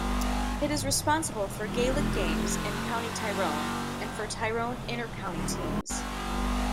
It is responsible for Gaelic games in County Tyrone and for Tyrone inter-county teams.